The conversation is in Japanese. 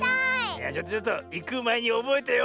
いやちょっとちょっといくまえにおぼえてよ。